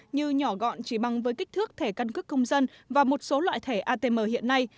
như nhỏ gọn chỉ bằng với kích thước thẻ căn cước công dân và một số loại thẻ atm hiện nay